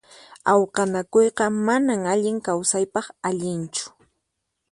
Awqanakuyqa manan allin kawsaypaq allinchu.